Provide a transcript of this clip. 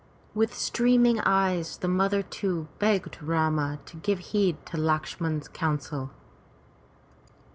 With streaming eyes the mother too begged Rama to give heed to Lakshman^s counsel.